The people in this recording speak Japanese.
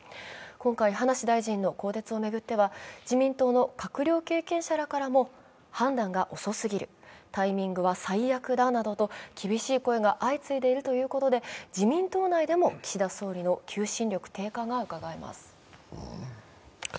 今回葉梨大臣の更迭を巡っては自民党の閣僚経験者らからも判断が遅すぎるタイミングは最悪だなどと厳しい声が相次いでいるということで自民島内でも岸田内閣の求心力低下がうかがえます。